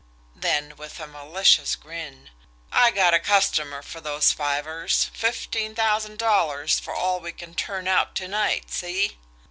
Then, with a malicious grin: "I got a customer for those fivers fifteen thousand dollars for all we can turn out to night. See?"